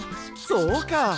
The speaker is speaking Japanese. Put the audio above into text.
そうか！